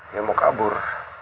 dia mau kabur